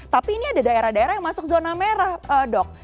tapi ini ada daerah daerah yang masuk zona merah dok